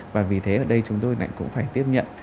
và vì thế ở đây chúng tôi lại cũng phải tiếp nhận